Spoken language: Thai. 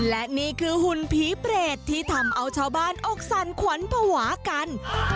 และนี่คือหุ่นผีเปรตที่ทำเอาชาวบ้านอกสั่นขวัญภาวะกัน